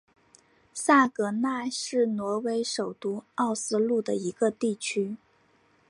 萨格奈是挪威首都奥斯陆的一个地区。